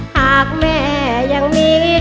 หากแม่ยังมี